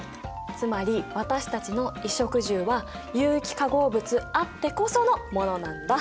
つまり私たちの衣食住は有機化合物あってこそのものなんだ。